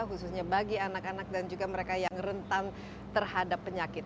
khususnya bagi anak anak dan juga mereka yang rentan terhadap penyakit